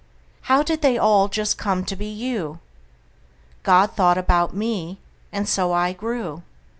How did they all just come to be you? God thought about me, and so I grew.